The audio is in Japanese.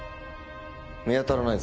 見当たらないぞ。